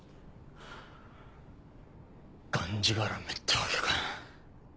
がんじがらめってわけか。